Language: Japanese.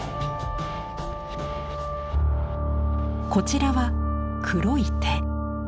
こちらは「黒い手」。